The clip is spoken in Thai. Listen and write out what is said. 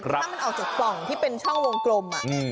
เพราะถ้ามันออกจากฟองที่เป็นช่องวงกลม